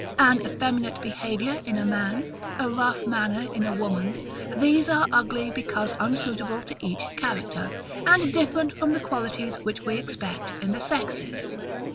An effeminate behaviour in a man, a rough manner in a woman; these are ugly because unsuitable to each character, and different from the qualities which we expect in the sexes.